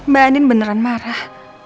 mbak anin beneran marah